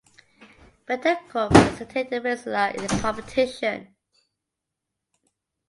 Betancourt represented Venezuela in the competition.